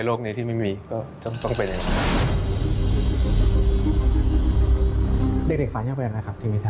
โอ้เยอะ